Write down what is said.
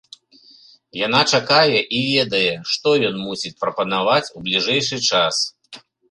Яна чакае і ведае, што ён мусіць прапанаваць у бліжэйшы час.